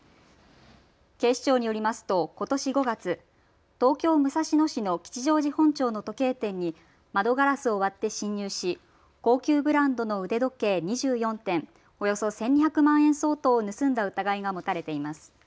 警視庁によりますとことし５月、東京武蔵野市の吉祥寺本町の時計店に窓ガラスを割って侵入し高級ブランドの腕時計２４点、およそ１２００万円相当を盗んだ疑いが持たれています。